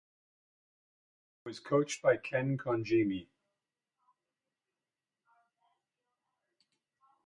He was coached by Ken Congemi.